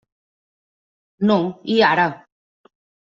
No, i ara!